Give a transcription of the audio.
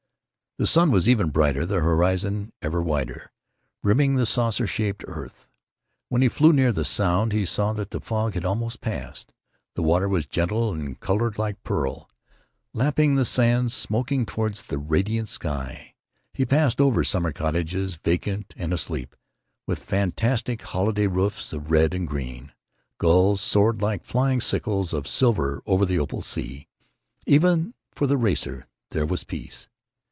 The sun was ever brighter; the horizon ever wider, rimming the saucer shaped earth. When he flew near the Sound he saw that the fog had almost passed. The water was gentle and colored like pearl, lapping the sands, smoking toward the radiant sky. He passed over summer cottages, vacant and asleep, with fantastic holiday roofs of red and green. Gulls soared like flying sickles of silver over the opal sea. Even for the racer there was peace.